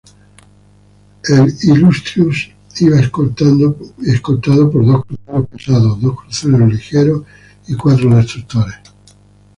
El "Illustrious" iba escoltado por dos cruceros pesados, dos cruceros ligeros y cuatro destructores.